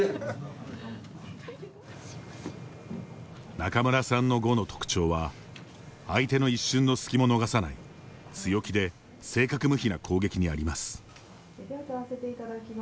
仲邑さんの碁の特徴は相手の一瞬の隙も逃さない強気で正確無比な攻撃にあります。